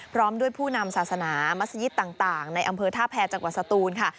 พร้อมด้วยผู้นำศาสนามัศยิตต่างในอำเภอท่าแพรจังหวัดสตูนค่ะ